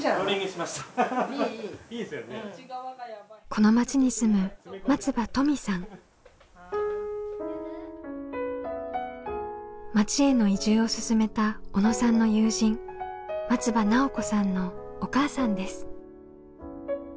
この町に住む町への移住を勧めた小野さんの友人松場奈緒子さんのお母さんです。